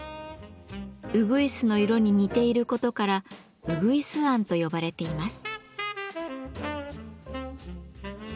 うぐいすの色に似ていることからうぐいすあんと呼ばれています。